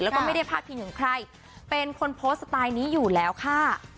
แล้วก็ไม่ได้พาดพิงถึงใครเป็นคนโพสต์สไตล์นี้อยู่แล้วค่ะ